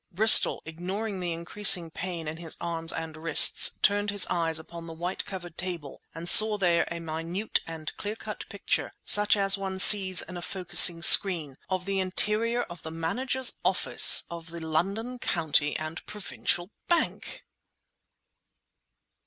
Bristol, ignoring the increasing pain in his arms and wrists, turned his eyes upon the white covered table and there saw a minute and clear cut picture, such as one sees in a focussing screen, of the interior of the manager's office of the London County and Provincial Bank!